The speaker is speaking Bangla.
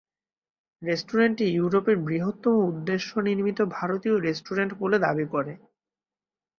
রেস্টুরেন্টটি ইউরোপের বৃহত্তম উদ্দেশ্য-নির্মিত ভারতীয় রেস্টুরেন্ট বলে দাবি করে।